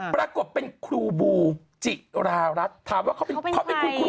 ปรากฏเป็นครูบูจิรารัสถามว่าเขาเป็นคุณครู